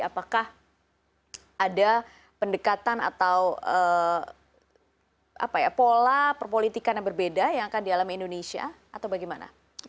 apakah ada pendekatan atau pola perpolitikan yang berbeda yang akan dialami indonesia atau bagaimana